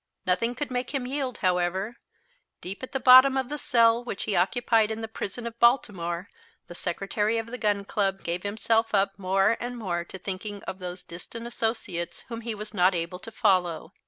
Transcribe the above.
Nothing could make him yield, however. Deep at the bottom of the cell which he occupied in the prison of Baltimore, the Secretary of the Gun Club gave himself up more and more to thinking of those distant associates whom he was not able to follow.